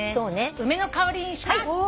「梅の香り」にします。